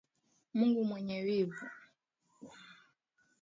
Mungu mwenye wivu